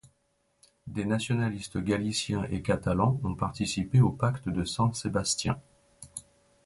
Des nationalistes galiciens et catalans ont participé au pacte de Saint- Sébastien.